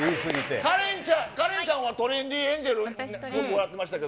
カレンちゃん、カレンちゃんはトレンディエンジェル、よく笑ってましたけど。